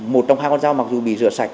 một trong hai con dao mặc dù bị rửa sạch